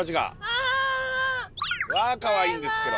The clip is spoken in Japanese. わあ！わあかわいいんですけど。